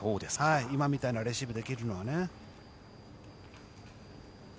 今みたいなレシーブができるのはね。